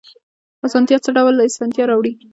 طرزالعمل څه ډول اسانتیا راوړي؟